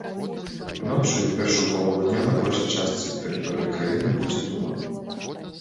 Ноччу і ў першую палову дня на большай частцы тэрыторыі краіны будзе туман.